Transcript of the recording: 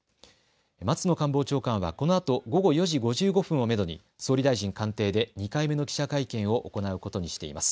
松野官房長官はこのあと午後４時５５分をめどに総理大臣官邸で２回目の記者会見を行うことにしています。